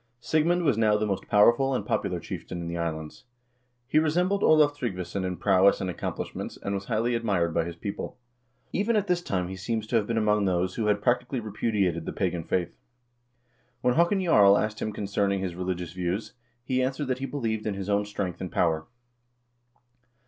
Sig mund was now the most powerful and popular chieftain in the is lands. He resembled Olav Tryggvason in prowess and accomplish ments, and was highly admired by his people. Even at this time he seems to have been among those who had practically repudiated the pagan faith. When Haakon Jarl asked him concerning his religious views, he answered that he believed in his own strength and power.